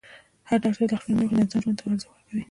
هر ډاکټر د خپلې ژمنې له مخې د انسان ژوند ته ارزښت ورکوي.